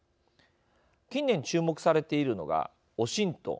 近年注目されているのがＯＳＩＮＴ